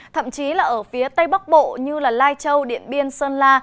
thậm chí là ở phía tây bắc bộ như lai châu điện biên sơn la